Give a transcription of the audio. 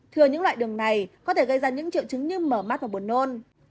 thừa những loại đường này có thể gây ra những triệu chứng như mở mắt và buồn nôn